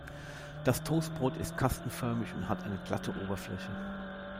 Das Toastbrot ist kastenförmig und hat eine glatte Oberfläche.